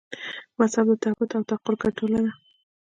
مذهب د تعبد او تعقل ګډوله ده.